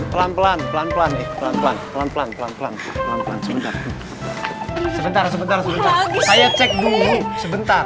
pelan pelan pelan pelan pelan pelan pelan pelan pelan pelan pelan pelan sebentar sebentar sebentar